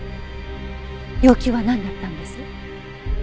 要求はなんだったんです？